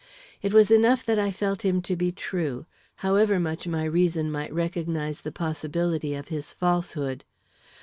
It was enough that I felt him to be true, however much my reason might recognize the possibility of his falsehood.